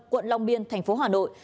quận long biên tp hà nội